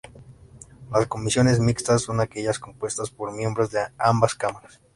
Las comisiones mixtas son aquellas compuestas por miembros de ambas cámaras.